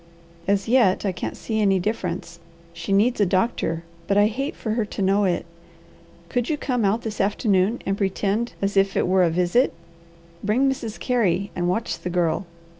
As yet I can't see any difference. She needs a doctor, but I hate for her to know it. Could you come out this afternoon, and pretend as if it were a visit? Bring Mrs. Carey and watch the Girl.